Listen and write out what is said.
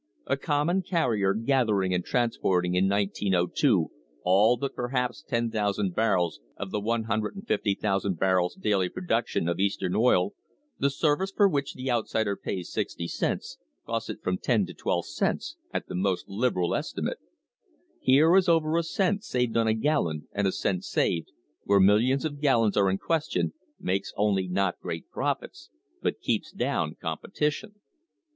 A common carrier gathering and transporting in 1902 all but THE PRICE OF OIL perhaps 10,000 barrels of the 150,000 barrels' daily produc tion of Eastern oil, the service for which the outsider pays sixty cents, costs it from ten to twelve cents at the most lib eral estimate. Here is over a cent saved on a gallon, and a cent saved, where millions of gallons are in question, makes not only great profits, but keeps down competition.